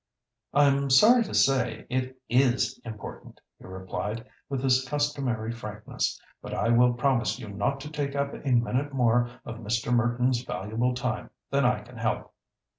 "I'm sorry to say it is important," he replied, with his customary frankness; "but I will promise you not to take up a minute more of Mr. Merton's valuable time than I can help."